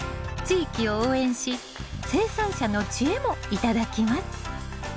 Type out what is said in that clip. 地域を応援し生産者の知恵も頂きます。